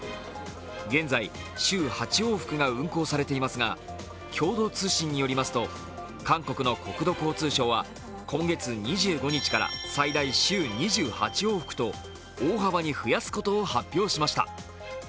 現在、週８往復が運航されていますが、共同通信によりますと韓国の国土交通省は今月２５日から最大週２８往復と大幅に増やすことを発表しました。